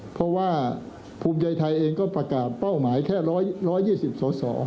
เพราะว่าภูมิใจไทยเองก็ประกาศเป้าหมายแค่๑๒๐สอสอ